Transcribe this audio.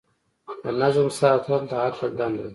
د نظم ساتل د عقل دنده ده.